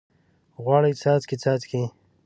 غواړي څاڅکي، څاڅکي